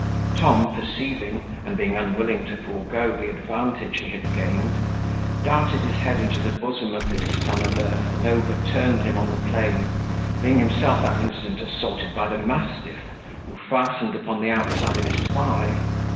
Tom, perceiving, and being unwilling to forego, the advantage he had gained, darted his head into the bosom of this son of earth, and overturned him on the plain, being himself that instant assaulted by the mastiff, who fastened upon the outside of his thigh.